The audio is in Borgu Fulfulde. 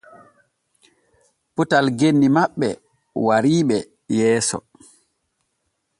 Potal genni maɓɓe wariɓe yeeso.